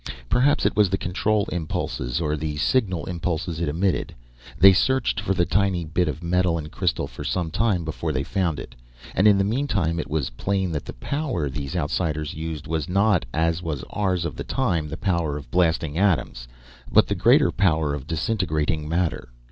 Perhaps it was the control impulses, or the signal impulses it emitted. They searched for the tiny bit of metal and crystal for some time before they found it. And in the meantime it was plain that the power these Outsiders used was not, as was ours of the time, the power of blasting atoms, but the greater power of disintegrating matter.